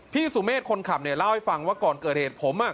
สุเมฆคนขับเนี่ยเล่าให้ฟังว่าก่อนเกิดเหตุผมอ่ะ